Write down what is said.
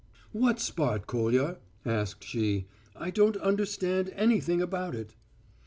"What spot, Kolya?" asked she. "I don't understand anything about it."